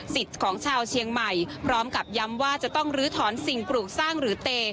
ของชาวเชียงใหม่พร้อมกับย้ำว่าจะต้องลื้อถอนสิ่งปลูกสร้างหรือเต